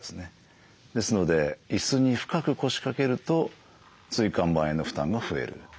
ですので椅子に深く腰かけると椎間板への負担が増える。